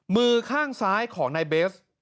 มือข้างซ้ายของในเบซ